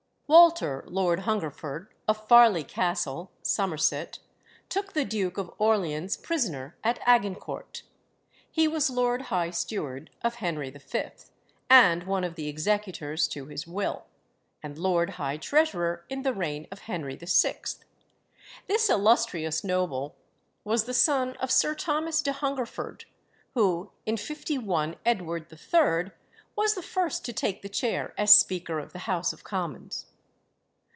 Walter, Lord Hungerford, of Farleigh Castle, Somerset, took the Duke of Orleans prisoner at Agincourt. He was Lord High Steward of Henry V. and one of the executors to his will, and Lord High Treasurer in the reign of Henry VI. This illustrious noble was the son of Sir Thomas de Hungerforde, who in 51 Edward III. was the first to take the chair as Speaker of the House of Commons.